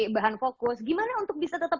bahan fokus gimana untuk bisa tetap